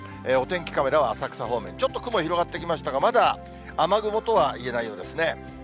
お天気カメラは浅草方面、ちょっと雲広がってきましたが、まだ雨雲とはいえないようですね。